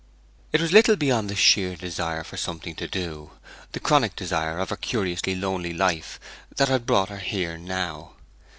It was little beyond the sheer desire for something to do the chronic desire of her curiously lonely life that had brought her here now.